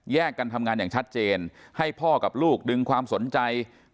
กันทำงานอย่างชัดเจนให้พ่อกับลูกดึงความสนใจ